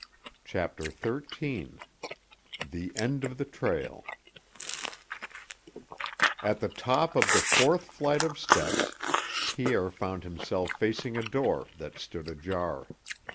CHAPTER XIII THE END OF THE TRAIL At the top of the fourth flight of steps, Pierre found himself facing a door that stood ajar.